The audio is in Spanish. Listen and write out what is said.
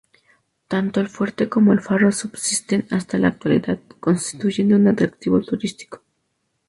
Tanto el fuerte como el faro subsisten hasta la actualidad, constituyendo un atractivo turístico.